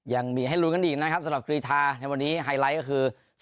ยังมีให้ลุ้นกันอีกนะครับสำหรับกรีธาในวันนี้ไฮไลท์ก็คือ